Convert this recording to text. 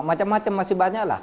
dan macam macam masih banyaklah